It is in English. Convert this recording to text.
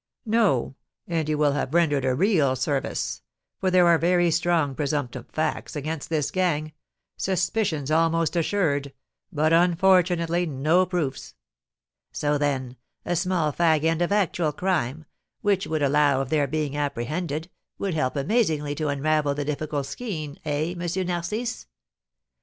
"No; and you will have rendered a real service; for there are very strong presumptive facts against this gang, suspicions almost assured, but, unfortunately, no proofs." "So, then, a small fag end of actual crime, which would allow of their being apprehended, would help amazingly to unravel the difficult skein, eh, M. Narcisse?"